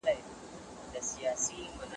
دورکهايم ولي يو ستر ټولنپوه ګڼل کيږي؟